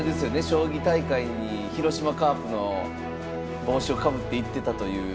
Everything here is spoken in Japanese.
将棋大会に広島カープの帽子をかぶって行ってたという。